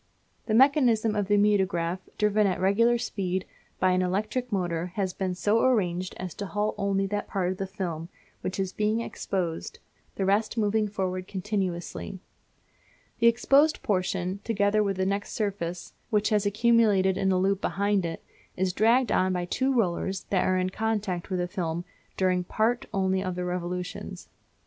The mechanism of the mutograph, driven at regular speed, by an electric motor, has been so arranged as to halt only that part of the film which is being exposed, the rest moving forward continuously. The exposed portion, together with the next surface, which has accumulated in a loop behind it, is dragged on by two rollers that are in contact with the film during part only of their revolutions.